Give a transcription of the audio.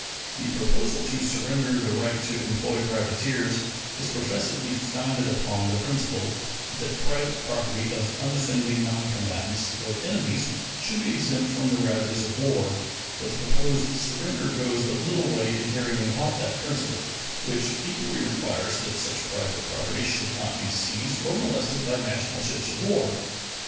The proposal to surrender the right to employ privateers is professedly founded upon the principle that private property of unoffending noncombatants, though enemies, should be exempt from the ravages of war; but the proposed surrender goes but little way in carrying out that principle, which equally requires that such private property should not be seized or molested by national ships of war.